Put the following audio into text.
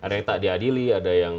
ada yang tak diadili ada yang